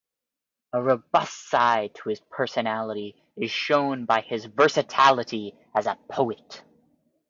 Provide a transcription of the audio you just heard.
A robust side to his personality is shown by his versatility as a poet.